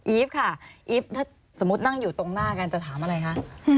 ีฟค่ะอีฟถ้าสมมุตินั่งอยู่ตรงหน้ากันจะถามอะไรคะ